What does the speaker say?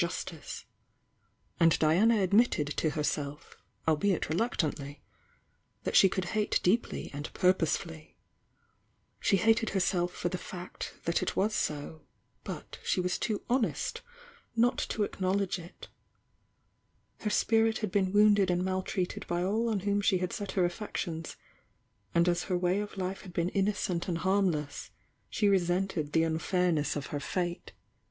justice And Diana admitted to herself albeit r^ "«t«"«y. that she could hate deeS a^d purpo^ ' fully She hated henelf for the fact that it^Z^, but she was too i mest not to acknowledee it nZT""^ M ^"^ T°""'^«d «"d maltreald by a 1 on whom she had set her a£fections, and as her way of hfe had ^een innocent and hamiless, she reslnt^d the unfairhess of her fate.